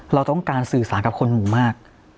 เราต้องการสื่อสารกับคนหมู่มาก